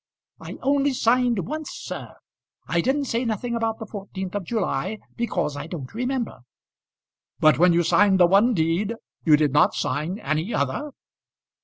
"I only signed once, sir. I didn't say nothing about the 14th of July, because I don't remember." "But when you signed the one deed, you did not sign any other?"